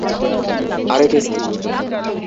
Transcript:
আরে কেস কি?